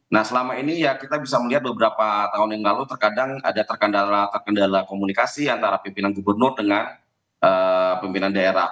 nah selama ini ya kita bisa melihat beberapa tahun yang lalu terkadang ada terkendala komunikasi antara pimpinan gubernur dengan pimpinan daerah